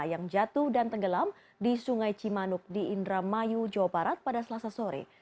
yang jatuh dan tenggelam di sungai cimanuk di indramayu jawa barat pada selasa sore